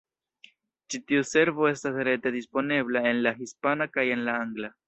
Ĉi tiu servo estas rete disponebla en la hispana kaj en la angla.